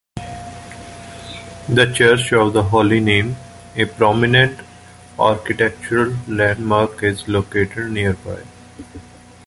The Church of the Holy Name, a prominent architectural landmark, is located nearby.